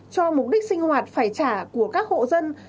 cho mục đích sinh hoạt phải trả của các hộ dân